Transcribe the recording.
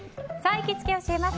行きつけ教えます！